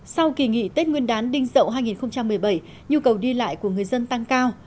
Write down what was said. sau kỳ nghỉ tết nguyên đán đinh dậu hai nghìn một mươi bảy nhu cầu đi lại của người dân tăng cao